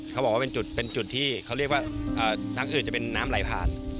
เขาบอกว่าเป็นจุดที่เขาเรียกว่าทั้งคือจะเป็นน้ำไหลผ่าน